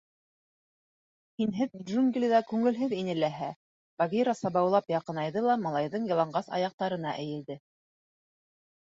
— Һинһеҙ джунглиҙа күңелһеҙ ине ләһә, — Багира сабаулап яҡынайҙы ла малайҙың яланғас аяҡтарына эйелде.